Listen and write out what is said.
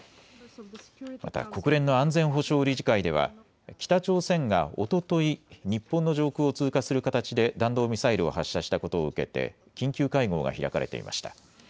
また国連の安全保障理事会では北朝鮮がおととい日本の上空を通過する形で弾道ミサイルを発射したことを受けて緊急会合が開かれていました。